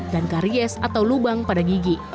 dan karies atau lubang pada gigi